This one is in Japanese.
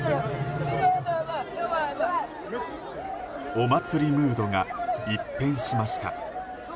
お祭りムードが一変しました。